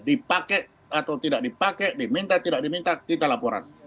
dipakai atau tidak dipakai diminta tidak diminta kita laporan